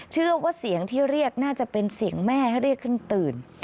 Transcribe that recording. เชื่อว่าเสียงที่เรียกน่าจะเป็นเสียงแม่ให้เรียกขึ้นตื่น